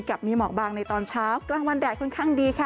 กับมีหมอกบางในตอนเช้ากลางวันแดดค่อนข้างดีค่ะ